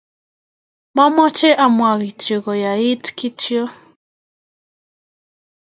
Mamache amwa kityo koyait kityo